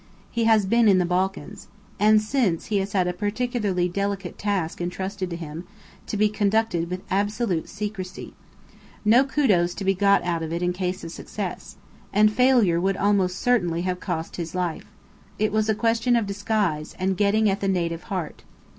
He has been in the Balkans. And since, has had a particularly delicate task intrusted to him, to be conducted with absolute secrecy. No 'kudos' to be got out of it in case of success. And failure would almost certainly have cost his life. It was a question of disguise, and getting at the native heart."